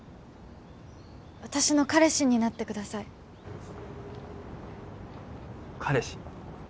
私の彼氏になってください彼氏？